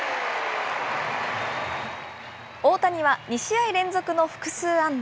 大谷は２試合連続の複数安打。